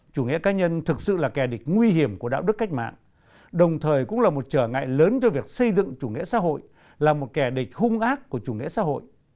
chủ nghĩa cá nhân thực sự là kẻ địch nguy hiểm của đạo đức cách mạng đồng thời cũng là một trở ngại lớn cho việc xây dựng chủ nghĩa xã hội là một kẻ địch hung ác của chủ nghĩa xã hội